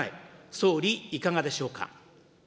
総理、いかがでしょうか。